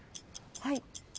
はい。